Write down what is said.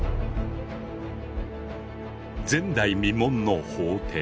前代未聞の法廷。